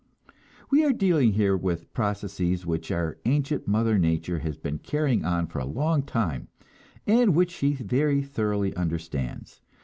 We are dealing here with processes which our ancient mother nature has been carrying on for a long time, and which she very thoroughly understands.